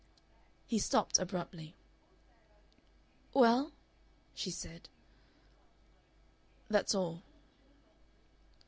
He stopped abruptly. "Well?" she said. "That's all."